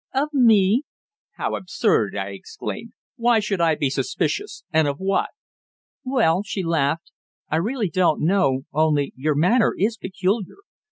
"Of me?" "How absurd!" I exclaimed. "Why should I be suspicious and of what?" "Well," she laughed, "I really don't know, only your manner is peculiar.